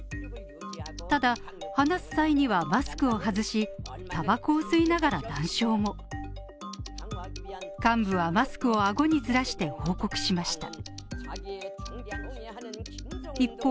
ただ、話す際にはマスクを外しタバコを吸いながら談笑も幹部はマスクをあごにずらして報告しました。